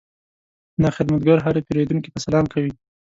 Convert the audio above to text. دا خدمتګر هر پیرودونکي ته سلام کوي.